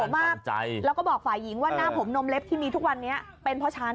มากใจแล้วก็บอกฝ่ายหญิงว่าหน้าผมนมเล็บที่มีทุกวันนี้เป็นเพราะฉัน